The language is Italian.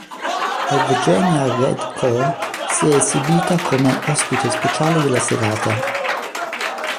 Evgenija Red'ko si è esibita come ospite speciale della serata.